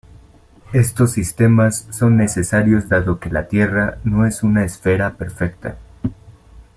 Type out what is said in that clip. Estos sistemas son necesarios dado que la Tierra no es una esfera perfecta.